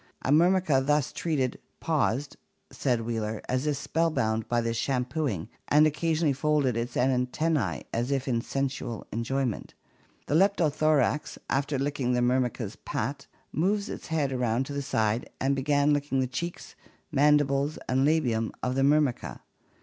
A Myrmica thus treated 'paused/ says Wheeler, 'as if spellbound by this shampooing and occasionally folded its antennae as if in sensuous enjoyment. The Leptothorax, after licking the Myrmica's pate, moved its head around to the side and began to lick the cheeks, mandibles, and labium of the Myrmica.